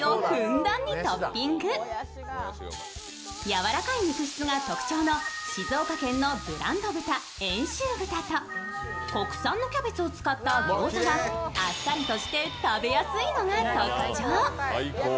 柔らかい肉質が特徴の静岡県のブランド豚・遠州豚と国産のキャベツを使ったギョーザはあっさりとして食べやすいのが特徴。